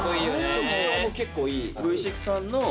曲調も結構いい